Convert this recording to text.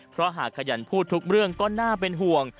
เพราะหากขยันพูดทุกเรื่องก็น่าเป็นห่วง